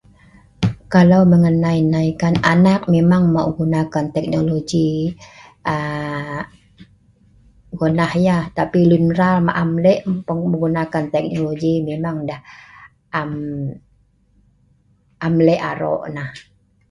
kalau mengenai nai kan, anak memang menggunakan teknologi um gonah yah, tapi lun mbral ma am le' pengunakan teknologi memang dah am am le' aro' nah